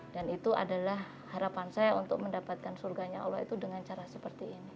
dan itu adalah harapan saya untuk mendapatkan surganya allah itu dengan cara seperti ini